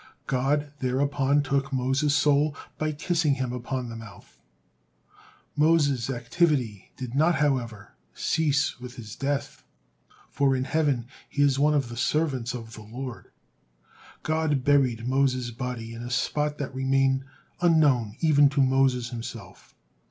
God thereupon took Moses' soul by kissing him upon the mouth. Moses activity did not, however, cease with his death, for in heaven he is one of the servants of the Lord. God buried Moses' body in a spot that remained unknown even to Moses himself.